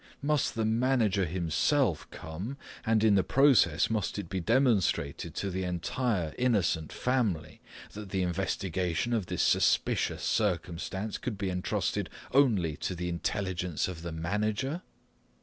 Must the manager himself come, and in the process must it be demonstrated to the entire innocent family that the investigation of this suspicious circumstance could be entrusted only to the intelligence of the manager?